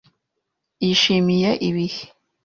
Yishimiye ibihe.